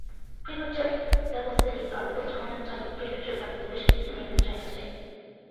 Prefecture-level cities are the most common type of prefecture-level division in mainland China today.